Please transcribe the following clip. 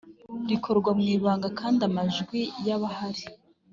rikorwa mu ibanga kandi amajwi y abahari